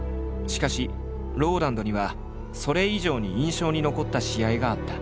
しかしＲＯＬＡＮＤにはそれ以上に印象に残った試合があった。